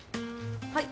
はい。